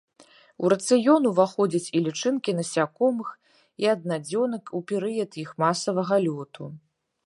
У рацыён уваходзяць і лічынкі насякомых і аднадзёнак ў перыяд іх масавага лёту.